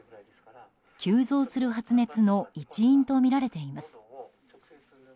急増する発熱の一因とみられています。